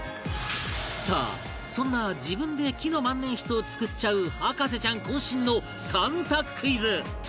さあそんな自分で木の万年筆を作っちゃう博士ちゃん渾身の３択クイズ